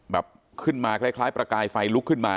แบบขึ้นมาคล้ายประกายไฟลุกขึ้นมา